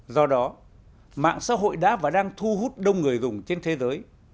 do đó mạng xã hội đã và đang thu hút đông người dùng trên thế giới